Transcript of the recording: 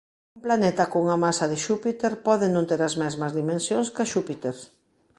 Un planeta cunha masa de Xúpiter pode non ter as mesmas dimensións cá Xúpiter.